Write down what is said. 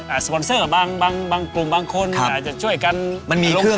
มีสปอนเซอร์บางกลุ่มบางคนจะช่วยกันลงขันกันบ้าง